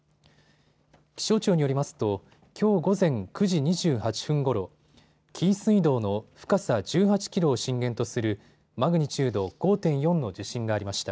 気象庁によりますときょう午前９時２８分ごろ、紀伊水道の深さ１８キロを震源とするマグニチュード５．４の地震がありました。